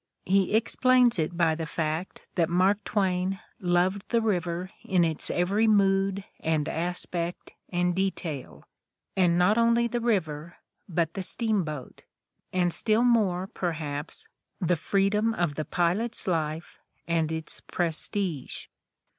He explains it by the fact that Mark Twain "loved the river in its every mood and aspect and detail, and not only the river, but a steamboat ; and still more, perhaps, the free dom of the pilot's life and its prestige."